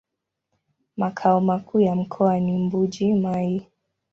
Makao makuu ya mkoa ni Mbuji-Mayi.